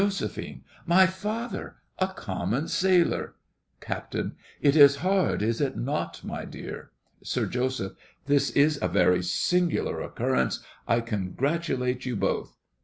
My father—a common sailor! CAPT. It is hard, is it not, my dear? SIR JOSEPH. This is a very singular occurrence; I congratulate you both.